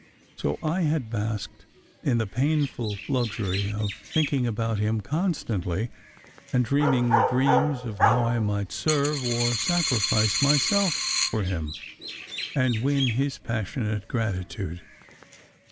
So I had basked in the painful luxury of thinking about him constantly, and dreaming dreams of how I might serve or sacrifice myself for him, and win his passionate gratitude.